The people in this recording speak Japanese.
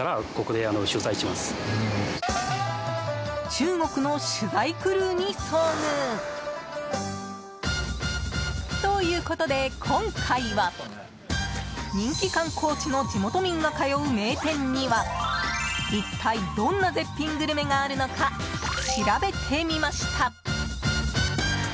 中国の取材クルーに遭遇！ということで、今回は人気観光地の地元民が通う名店には一体どんな絶品グルメがあるのか調べてみました。